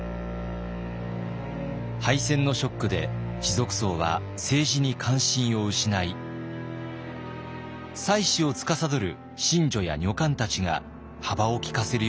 敗戦のショックで士族層は政治に関心を失い祭祀をつかさどる神女や女官たちが幅を利かせるようになります。